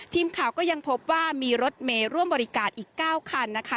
ทีมข่าวก็ยังพบว่ามีรถเมย์ร่วมบริการอีก๙คันนะคะ